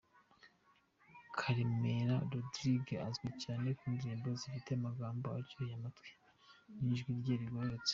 Karemera Rodrigue azwi cyane ku ndirimbo zifite amagambo aryoheye amatwi, n’ijwi rye rigororotse.